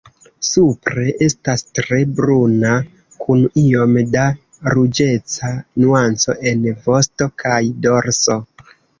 Supre estas tre bruna kun iom da ruĝeca nuanco en vosto kaj dorso.